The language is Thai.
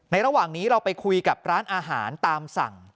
ระหว่างนี้เราไปคุยกับร้านอาหารตามสั่ง